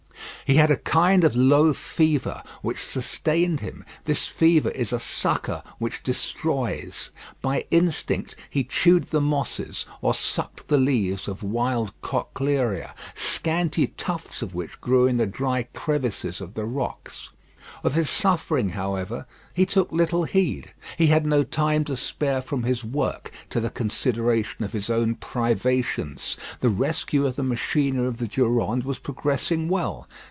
He had a kind of low fever, which sustained him; this fever is a succour which destroys. By instinct he chewed the mosses, or sucked the leaves of wild cochlearia, scanty tufts of which grew in the dry crevices of the rocks. Of his suffering, however, he took little heed. He had no time to spare from his work to the consideration of his own privations. The rescue of the machinery of the Durande was progressing well.